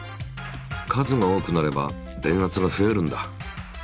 数が多くなれば電圧が増えるんだ。